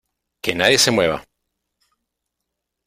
¡ Que nadie se mueva!